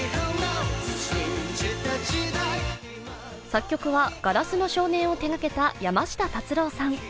作曲は「硝子の少年」を手がけた山下達郎さん。